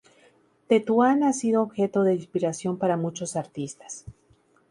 Tetuán ha sido objeto de inspiración para muchos artistas.